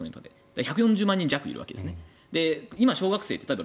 １４０万人弱いるんですね。